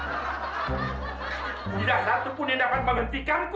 tidak satupun yang dapat menghentikanku